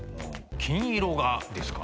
金色がですか？